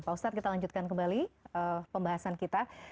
pak ustadz kita lanjutkan kembali pembahasan kita